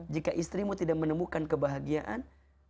jika istrimu tidak menemukan kebahagiaan